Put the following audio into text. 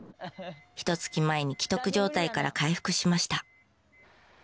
ひと月前に危篤状態から回復しました。